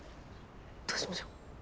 どうしましょう？